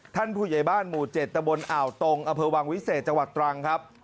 ผู้ใหญ่บ้านหมู่๗ตะบนอ่าวตรงอำเภอวังวิเศษจังหวัดตรังครับ